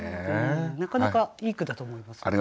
なかなかいい句だと思います。